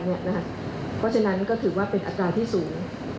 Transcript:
เพราะฉะนั้นก็ถือว่าเป็นอัตราที่สูง